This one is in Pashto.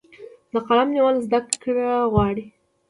د قلم نیول زده کړه غواړي.